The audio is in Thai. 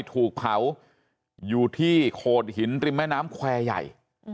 ถูกเผาอยู่ที่โขดหินริมแม่น้ำแควร์ใหญ่